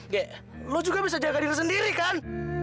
gaya lo juga bisa jaga diri sendiri kan